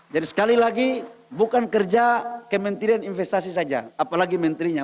jadi sekali lagi bukan kerja kementerian investasi saja apalagi menterinya